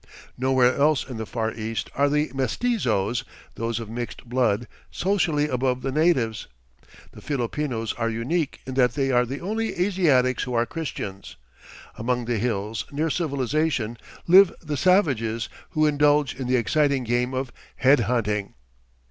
Nowhere else in the Far East are the mestizos those of mixed blood socially above the natives. The Filipinos are unique in that they are the only Asiatics who are Christians. Among the hills, near civilization, live the savages who indulge in the exciting game of head hunting.